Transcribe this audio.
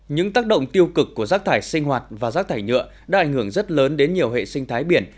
những tác động tiêu cực của rác thải sinh hoạt và rác thải nhựa đã ảnh hưởng rất lớn đến nhiều hệ sinh thái biển